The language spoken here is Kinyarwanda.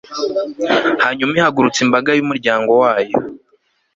hanyuma ihagurutsa imbaga y'umuryango wayo